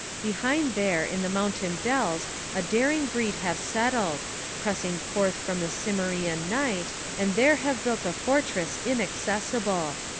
Behind there in the mountain dells a daring breed Have settled, pressing forth from the Cimmerian Night, And there have built a fortress inaccessible.